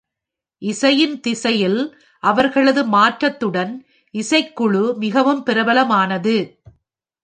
இசையின் திசையில் அவர்களது மாற்றத்துடன், இசைக்குழு மிகவும் பிரபலமானது.